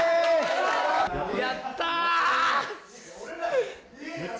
やったー！